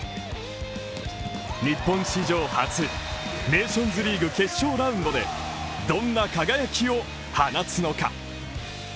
日本史上初、ネーションズリーグファイナルラウンドでどんな輝きを放つのか。